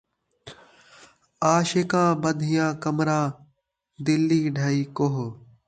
عاشقاں ٻدھیاں کمراں ، دلی ڈھائی کوہ